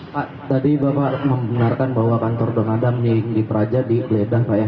pak tadi bapak mengenalkan bahwa kantor don adam di praja di bledang pak ya